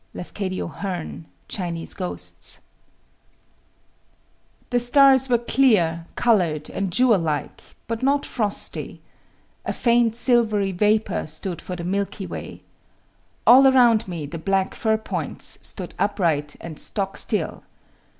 LAFCADIO HEARN, Chinese Ghosts. The stars were clear, colored, and jewel like, but not frosty. A faint silvery vapour stood for the Milky Way. All around me the black fir points stood upright and stock still.